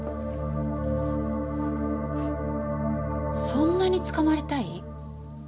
そんなに捕まりたい？